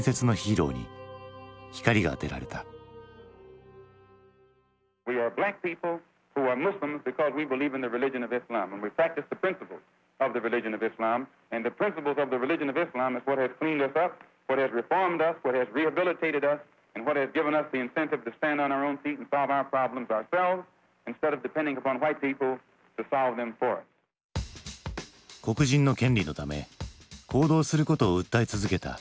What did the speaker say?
黒人の権利のため行動することを訴え続けたマルコムＸ。